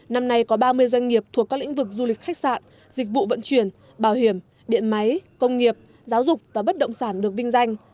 năm nay có ba mươi doanh nghiệp thuộc các lĩnh vực du lịch khách sạn dịch vụ vận chuyển bảo hiểm điện máy công nghiệp giáo dục và bất động sản được vinh danh